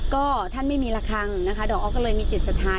ก็ท่านไม่มีระคังนะคะดอกออฟก็เลยมีจิตศรัทธา